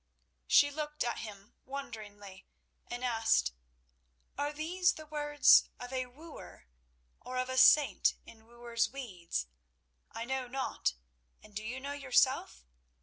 She looked at him wonderingly, and asked, "Are these the words of a wooer or of a saint in wooer's weeds? I know not, and do you know yourself?